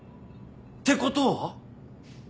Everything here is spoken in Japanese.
てことは？